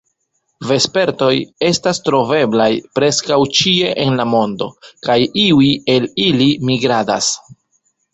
Vespertoj estas troveblaj preskaŭ ĉie en la mondo, kaj iuj el ili migradas.